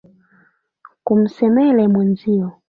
Kumsemele mwezio